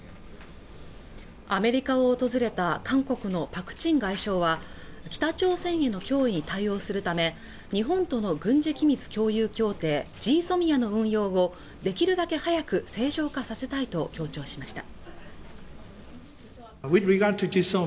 アメリカを訪れた韓国のパク・チン外相は北朝鮮の脅威に対応するため日本との軍事機密共有協定＝ＧＳＯＭＩＡの運用をできるだけ早く正常化させたいと強調しました